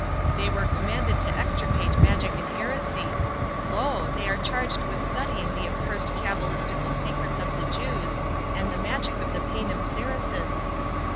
They were commanded to extirpate magic and heresy. Lo! they are charged with studying the accursed cabalistical secrets of the Jews, and the magic of the Paynim Saracens.